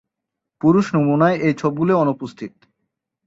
পুরুষ নমুনায় এই ছোপগুলি অনুপস্থিত।